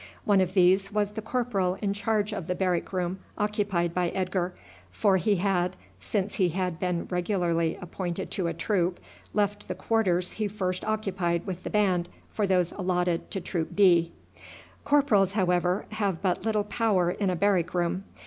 One of these was the corporal in charge of the barrack room occupied by Edgar, for he had, since he had been regularly appointed to a troop, left the quarters he first occupied with the band for those allotted to troop D. Corporals, however, have but little power in a barrack room.